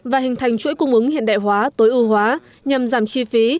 và hình thành chuỗi cung ứng hiện đại hóa tối ưu hóa nhằm giảm chi phí